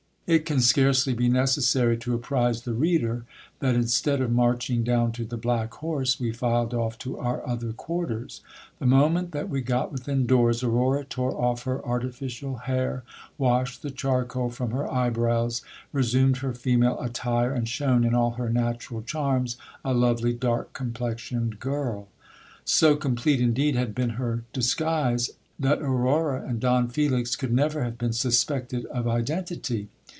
It can scarcely be necessary to apprize the reader, that instead of marching down to the Black Horse, we filed off to our other quarters. The moment that we got within doors, Aurora tore off her artificial hair, washed the charcoal from her eyebrows, resumed her female attire, and shone in all her natural charms, a lovely dark complexioned girl. So complete indeed had been her disguise that Aurora and Don Felix could never have been suspected of iden tity.